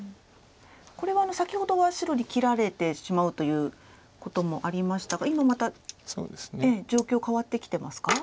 これは先ほどは白に切られてしまうということもありましたが今また状況変わってきてますか。